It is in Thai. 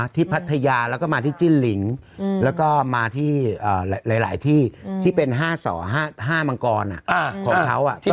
พัทยาแล้วก็มาที่จิ้นหลิงแล้วก็มาที่หลายที่ที่เป็น๕๒๕มังกรของเขา